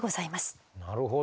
なるほど。